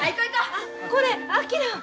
あっこれ昭！